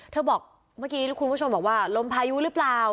บอกเมื่อกี้คุณผู้ชมบอกว่าลมพายุหรือเปล่า